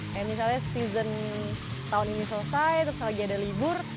kayak misalnya season tahun ini selesai terus lagi ada libur